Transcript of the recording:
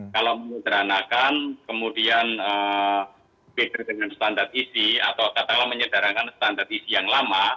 kalau menyederhanakan kemudian beda dengan standar isi atau katakanlah menyederhanakan standar isi yang lama